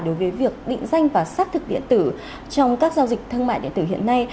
đối với việc định danh và xác thực điện tử trong các giao dịch thương mại điện tử hiện nay